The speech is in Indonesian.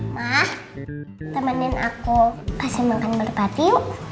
ma temenin aku kasih makan berpati yuk